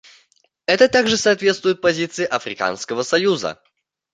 Это также соответствует позиции Африканского союза.